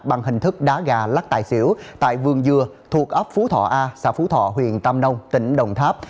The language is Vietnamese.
bằng hình thức đá gà lắc tài xỉu tại vườn dừa thuộc ấp phú thọ a xã phú thọ huyện tam nông tỉnh đồng tháp